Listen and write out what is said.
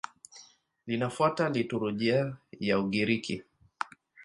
Linafuata liturujia ya Ugiriki.